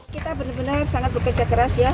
kita benar benar sangat bekerja keras ya